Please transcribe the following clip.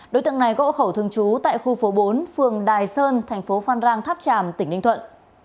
đối tượng này có hậu khẩu thương chú tại khu phố bốn phường đài sơn thành phố phan rang tháp tràm tỉnh ninh thuận